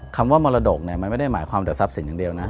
คำว่ามรดกเนี่ยมันไม่ได้หมายความแต่ทรัพย์สินอย่างเดียวนะ